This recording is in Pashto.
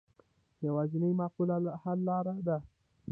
دا یوازینۍ معقوله حل لاره ده.